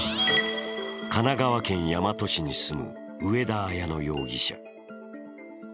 神奈川県大和市に住む上田綾乃容疑者。